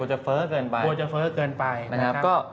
แต่กว่าจะเฟ้อเกินไป